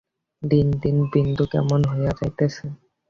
দিন দিন বিন্দু কেমন হইয়া যাইতেছে।